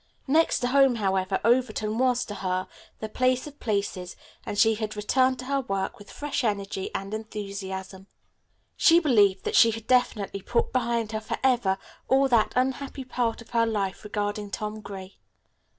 Next to home, however, Overton was, to her, the place of places, and she had returned to her work with fresh energy and enthusiasm. She believed that she had definitely put behind her forever all that unhappy part of her life regarding Tom Gray.